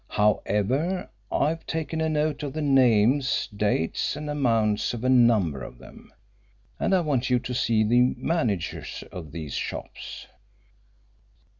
However, I've taken a note of the names, dates, and amounts of a number of them, and I want you to see the managers of these shops."